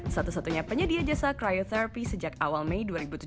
satu satunya penyedia jasa cryotherapy sejak awal mei dua ribu tujuh belas